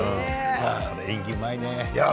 演技がうまいね。